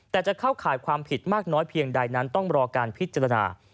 แต่จะเข้าข่ายความผิดมากน้อยเพียงใดนั้นต้องรอการพิจารณา